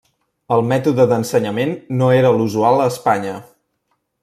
El mètode d'ensenyament no era l'usual a Espanya.